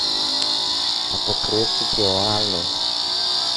αποκρίθηκε ο άλλος.